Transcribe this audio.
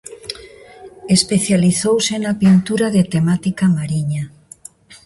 Especializouse na pintura de temática mariña.